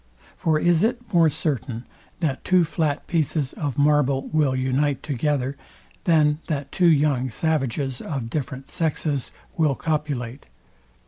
For is it more certain, that two flat pieces of marble will unite together, than that two young savages of different sexes will copulate?